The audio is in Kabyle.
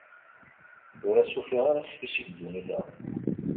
Ur as-ufiɣ ara ixf-is i ddunit-a.